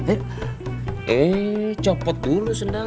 eh copot dulu sendalnya